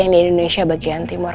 di indonesia bagian timur